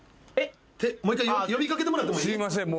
もう１回呼びかけてもらってもいい？